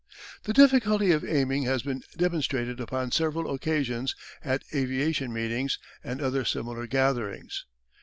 The difficulty of aiming has been demonstrated upon several occasions at aviation meetings and other similar gatherings.